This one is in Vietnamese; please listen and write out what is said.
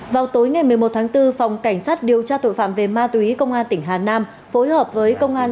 vào tối ngày một mươi một tháng bốn phòng cảnh sát điều tra tội phạm về ma túy công an tỉnh hà nam